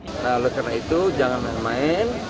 kalau karena itu jangan main main